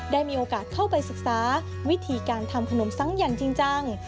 ได้มีโอกาสเข้าไปศึกษาวิธีการทำขนมซังอย่างจริงจัง